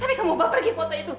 tapi kamu bapak pergi foto itu